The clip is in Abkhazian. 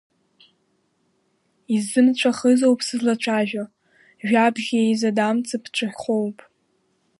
Исзымҵәахызоуп сызлацәажәо, жәабжь еизадам цыԥҵәахоуп.